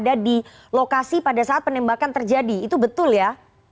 jadi itu sudah berbeda di media di lokasi pada saat penembakan terjadi itu betul ya